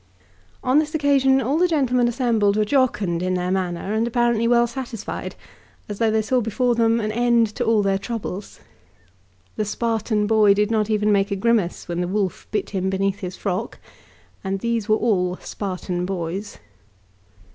On this occasion all the gentlemen assembled were jocund in their manner, and apparently well satisfied, as though they saw before them an end to all their troubles. The Spartan boy did not even make a grimace when the wolf bit him beneath his frock, and these were all Spartan boys.